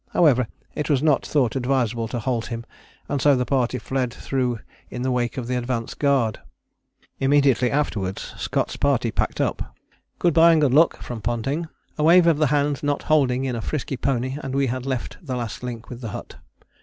However, it was not thought advisable to halt him, and so the party fled through in the wake of the advance guard." Immediately afterwards Scott's party packed up. "Good bye and good luck," from Ponting, a wave of the hand not holding in a frisky pony and we had left the last link with the hut.